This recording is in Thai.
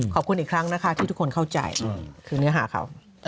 ขอบคุณอีกครั้งนะคะที่ทุกคนเข้าใจคือเนื้อหาเขา